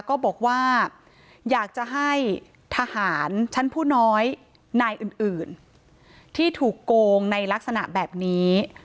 ก็บอกว่าอยากจะให้ทหารชั้นผู้น้อยนายอื่นที่ถูกโกงในลักษณะแบบนี้